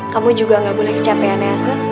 kamu juga nggak boleh kecapean ya asun